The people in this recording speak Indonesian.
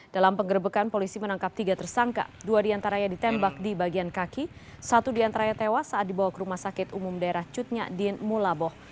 dalam penggerbekan polisi menangkap tiga tersangka dua diantaranya ditembak di bagian kaki satu diantaranya tewas saat dibawa ke rumah sakit umum daerah cutnya din mulaboh